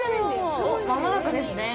間もなくですね！